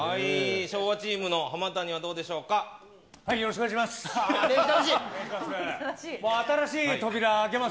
昭和チームの浜谷はどうでしよろしくお願いします。